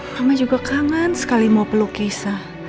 mama juga kangen sekali mau peluk kisah